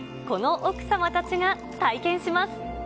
この奥様たちが体験します。